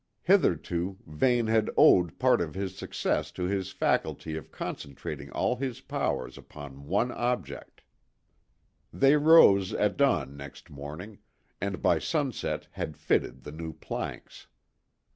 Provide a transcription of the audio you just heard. Hitherto, Vane had owed part of his success to his faculty of concentrating all his powers upon one object. They rose at dawn next morning, and by sunset had fitted the new planks.